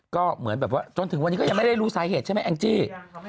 ก็เหมือนแบบว่าจนถึงวันนี้ก็ยังไม่ได้รู้สาเหตุใช่ไหมแองจี้